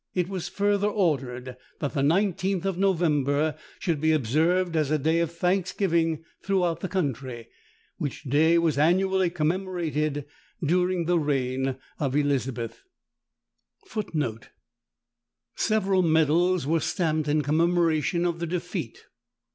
It was further ordered that the 19th of November should be observed as a day of thanksgiving throughout the country; which day was annually commemorated during the reign of Elizabeth. [Footnote 5: Several medals were stamped in commemoration of the defeat.